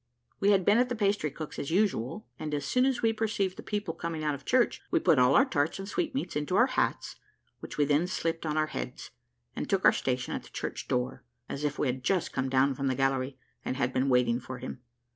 We had been at the pastry cook's as usual, and as soon as we perceived the people coming out of church, we put all our tarts and sweetmeats into our hats, which we then slipped on our heads, and took our station at the church door, as if we had just come down from the gallery, and had been waiting for him.